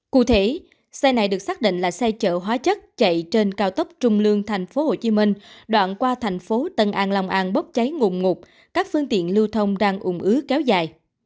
cụ thể xe này được xác định là xe chở hóa chất chạy trên cao tốc trung lương thành phố hồ chí minh đoạn qua thành phố tân an lòng an bốc cháy ngụm ngục các phương tiện lưu thông đang ủng ứ kéo dài